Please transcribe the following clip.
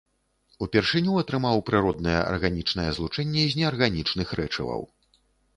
Упершыню атрымаў прыроднае арганічнае злучэнне з неарганічных рэчываў.